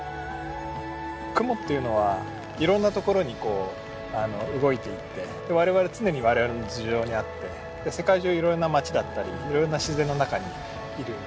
雲っていうのはいろんなところに動いていって常に我々の頭上にあって世界中いろいろな町だったりいろいろな自然の中にいる。